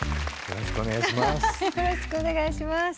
よろしくお願いします。